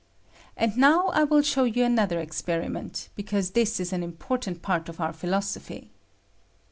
And now 1 will show you another experiment, because this is an important part of our philosophy.